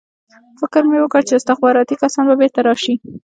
فکر مې وکړ چې استخباراتي کسان به بېرته راشي